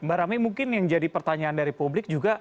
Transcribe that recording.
mbak rame mungkin yang jadi pertanyaan dari publik juga